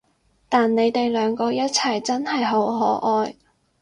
但你哋兩個一齊真係好可愛